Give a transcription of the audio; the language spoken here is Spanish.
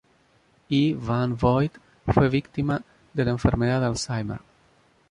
E. van Vogt fue víctima de la enfermedad de Alzheimer.